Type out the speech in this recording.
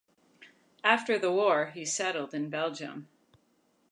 After the war he settled in Belgium.